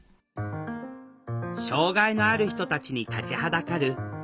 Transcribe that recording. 障害のある人たちに立ちはだかる家探しのバリア。